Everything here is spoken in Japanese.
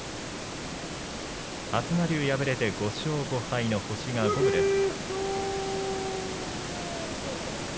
東龍、敗れて５勝５敗の星が五分です。